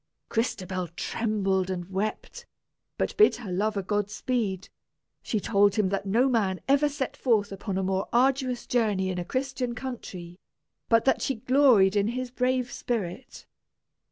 Crystabell trembled and wept, but bid her lover God speed. She told him that no man ever set forth upon a more arduous journey in a Christian country, but that she gloried in his brave spirit.